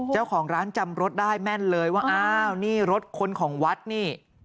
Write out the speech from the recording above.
เจ้าของร้านจำรถได้แม่นเลยว่านี่รถคนของวัดนี่